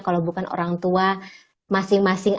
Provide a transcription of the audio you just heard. kalau bukan orang tua masing masing